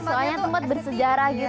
soalnya tempat bersejarah gitu